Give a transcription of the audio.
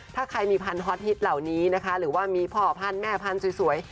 ถ้าใครมีพันธอตฮิตเหล่านี้นะคะหรือว่ามีพ่อพันธุ์แม่พันธุ์สวย